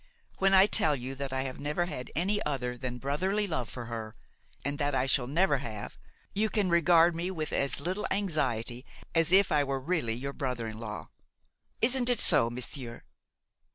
When I tell you that I have never had any other than brotherly love for her, and that I shall never have, you can regard me with as little anxiety as if I were really your brother in law. Isn't it so, monsieur?'